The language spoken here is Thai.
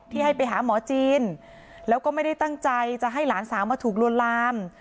ให้ไปหาหมอจีนแล้วก็ไม่ได้ตั้งใจจะให้หลานสาวมาถูกลวนลาม